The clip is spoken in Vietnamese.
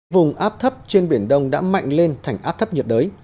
vùng áp thấp trên biển đông đã mạnh lên thành áp thấp nhiệt đới